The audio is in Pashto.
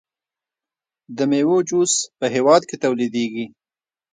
د میوو جوس په هیواد کې تولیدیږي.